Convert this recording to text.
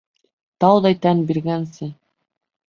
Тауҙай тән биргәнсе.